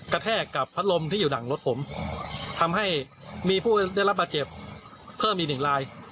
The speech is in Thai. แทกกับพัดลมที่อยู่หลังรถผมทำให้มีผู้ได้รับบาดเจ็บเพิ่มอีกหนึ่งลาย